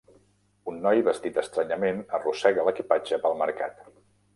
Un noi vestit estranyament arrossega l'equipatge pel mercat